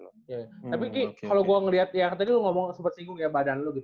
tapi ki kalo gua ngeliat ya tadi lu ngomong sempet singgung ya badan lu gitu